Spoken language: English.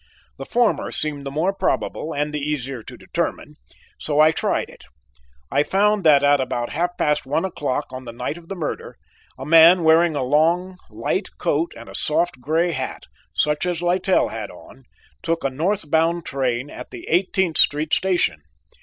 The former seemed the more probable and the easier to determine, so I tried it. I found that at about half past one o'clock on the night of the murder, a man wearing a long light coat and a soft gray hat, such as Littell had on, took a north bound train at the Eighteenth Street station.